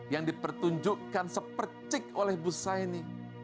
yang dipertunjukkan sepercik oleh busa ini